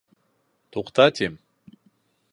Туҡта, тим!..